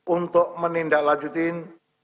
untuk menindak lanjutin